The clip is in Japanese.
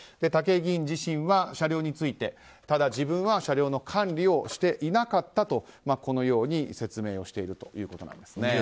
武井議員自身は車両について自分は車両の管理をしていなかったと説明しているということです。